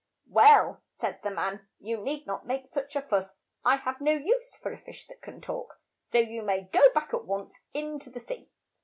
"Well," said the man, "you need not make such a fuss. I have no use for a fish that can talk, so you may go back at once in to the sea."